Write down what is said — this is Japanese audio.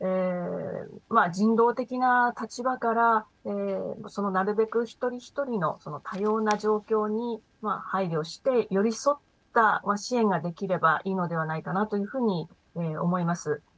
人道的な立場からなるべく一人一人の多様な状況に配慮して寄り添った支援ができればいいのではないかなというふうに思います。